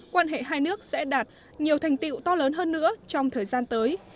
quan hệ hai nước sẽ đạt nhiều thành tiệu to lớn hơn nữa trong thời gian tới